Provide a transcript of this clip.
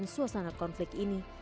perjuangan yang terjadi di luar negara